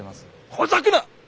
ほざくな！